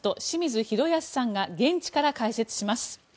清水宏保さんが現地から解説します。